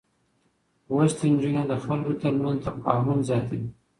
لوستې نجونې د خلکو ترمنځ تفاهم زياتوي.